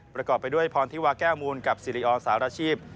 ประกอบไปด้วยพรธิวาแก้วมูลกับสิริอสารชีพ